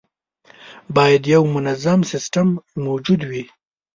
باید یو منظم سیستم موجود وي.